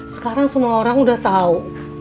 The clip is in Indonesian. sekarang semua orang udah tahu